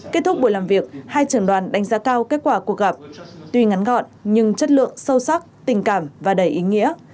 kết thúc buổi làm việc hai trưởng đoàn đánh giá cao kết quả cuộc gặp tuy ngắn gọn nhưng chất lượng sâu sắc tình cảm và đầy ý nghĩa